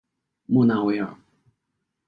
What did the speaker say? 莫纳维尔。